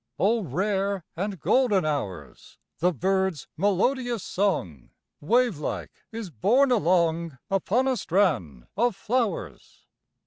O rare and golden hours! The bird's melodious song, Wavelike, is borne along Upon a strand of flowers.